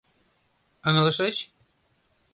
Ыҥылышыч?